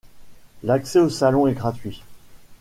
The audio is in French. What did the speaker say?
L'accès au salon est gratuit.